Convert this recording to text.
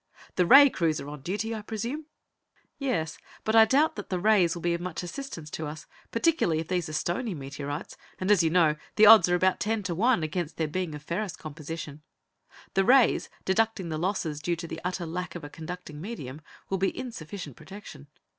"The ray crews are on duty, I presume?" "Yes. But I doubt that the rays will be of much assistance to us. Particularly if these are stony meteorites and as you know, the odds are about ten to one against their being of ferrous composition. The rays, deducting the losses due to the utter lack of a conducting medium, will be insufficient protection.